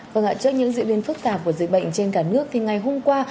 và ngại trước những diễn biến phức tạp của dịch bệnh trên cả nước thì ngày hôm qua